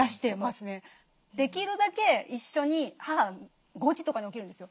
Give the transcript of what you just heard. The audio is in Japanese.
できるだけ一緒に母５時とかに起きるんですよ。